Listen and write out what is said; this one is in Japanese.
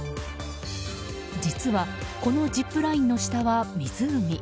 実は、このジップラインの下は湖。